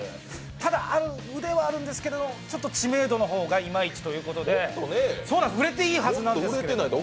ただ、腕はあるんですけどちょっと知名度の方がいまいちということで売れていいはずなんですけど。